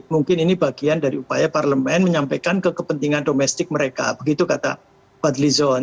mungkin ini bagian dari upaya parlemen menyampaikan ke kepentingan domestik mereka begitu kata fadlizon